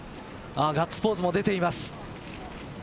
ガッツポーズも出ています。